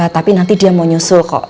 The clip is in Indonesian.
tapi nanti dia mau nyusul kok